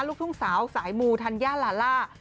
ลูกทุ่งสาวสายมูธัญญาลาล่า